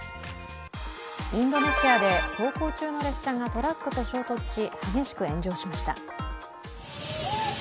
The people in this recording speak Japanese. インドネシアで走行中の列車がトラックと衝突し激しく炎上しました。